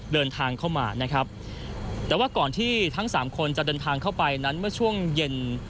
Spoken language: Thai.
เดินทางเข้ามานะครับแต่ว่าก่อนที่ทั้งสามคนจะเดินทางเข้าไปนั้นเมื่อช่วงเย็น